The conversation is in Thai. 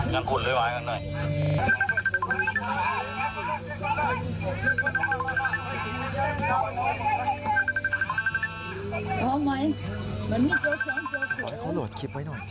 นั่งขุดเลยไว้ข้างใน